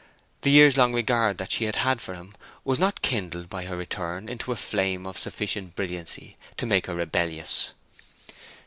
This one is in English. The years long regard that she had had for him was not kindled by her return into a flame of sufficient brilliancy to make her rebellious.